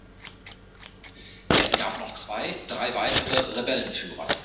Es gab noch zwei, drei weitere Rebellenführer.